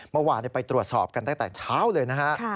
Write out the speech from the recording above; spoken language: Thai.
เมื่อวานไปตรวจสอบกันตั้งแต่เช้าเลยนะฮะ